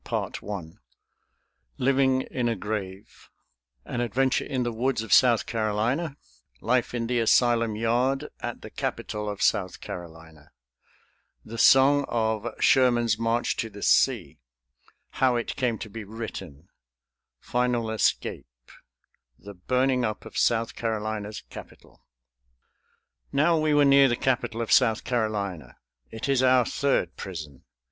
CHAPTER XIII Living in a grave An adventure in the woods of South Carolina Life in the asylum yard at the capital of South Carolina The song of "Sherman's March to the Sea" How it came to be written Final escape The burning up of South Carolina's capital. Now we were near the capital of South Carolina. It is our third prison.